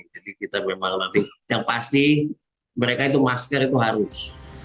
jadi kita memang nanti yang pasti mereka itu masker itu harus